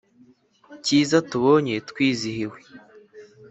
Cyiza tubonye twizihiwe